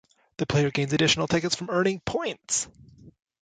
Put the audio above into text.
The player gains additional tickets from earning points.